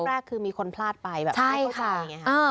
ครอบคราวแรกคือมีคนพลาดไปแบบไม่เข้าใจอย่างนี้ครับ